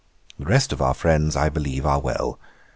The rest of our friends, I believe, are well.